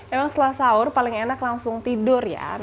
emang setelah sahur paling enak langsung tidur ya